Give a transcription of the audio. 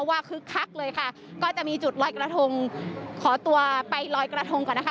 คึกคักเลยค่ะก็จะมีจุดลอยกระทงขอตัวไปลอยกระทงก่อนนะคะ